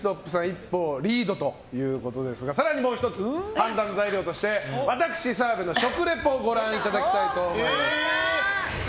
一歩リードということですが更にもう１つ、判断材料として私、澤部の食リポをご覧いただきたいと思います。